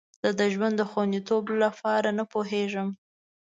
زه د ژوند خوندیتوب لپاره نه پوهیږم.